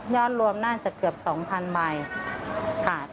รวมน่าจะเกือบ๒๐๐๐ใบค่ะ